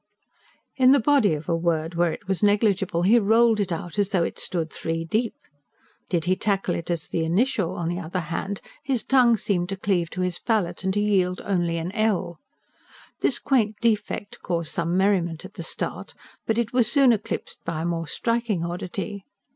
In the body of a word where it was negligible, he rolled it out as though it stood three deep. Did he tackle it as an initial, on the other hand, his tongue seemed to cleave to his palate, and to yield only an "l." This quaint defect caused some merriment at the start, but was soon eclipsed by a more striking oddity.